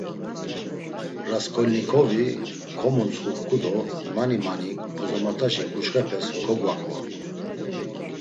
Rasǩolnikovi komuntsxuǩu do mani mani bozomotaşi ǩuçxepes kogvaǩoru.